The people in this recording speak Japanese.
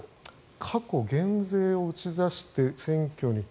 過去、減税を打ち出して選挙に。